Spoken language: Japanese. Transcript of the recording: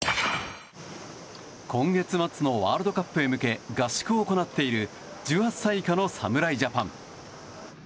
今月末のワールドカップへ向け合宿を行っている１８歳以下の侍ジャパン。